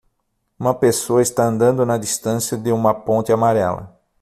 Uma pessoa está andando na distância de uma ponte amarela.